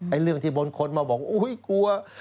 ไอ้เรื่องที่บนคนมาบอกโอ้ยกลัว